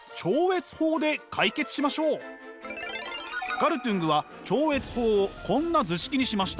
ガルトゥングは超越法をこんな図式にしました。